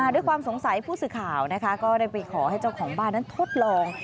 ด้วยความสงสัยผู้สื่อข่าวนะคะก็ได้ไปขอให้เจ้าของบ้านนั้นทดลอง